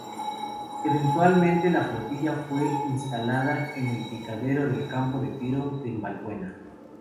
Eventualmente, la flotilla fue instalada en el picadero del Campo de Tiro en Balbuena.